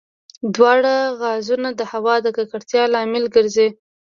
دواړه غازونه د هوا د ککړتیا لامل ګرځي.